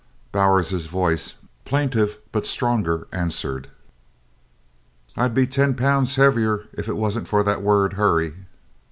Bowers's voice, plaintive but stronger, answered: "I'd be ten pounds heavier if it wasn't for that word 'hurry.'"